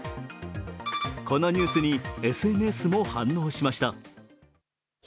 このニュースにＳＮＳも反応しました。